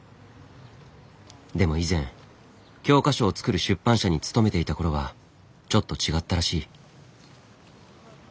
でも以前教科書を作る出版社に勤めていた頃はちょっと違ったらしい。